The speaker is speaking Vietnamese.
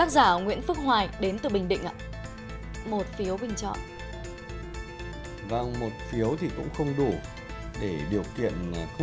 để ra một bức ảnh đẹp thì nó còn